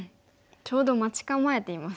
ちょうど待ち構えていますね。